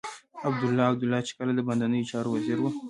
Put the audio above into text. عبدالله عبدالله چې کله د باندنيو چارو وزير و.